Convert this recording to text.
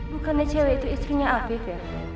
bukannya cewek itu istrinya afi ver